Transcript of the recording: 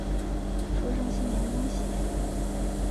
说声新年恭喜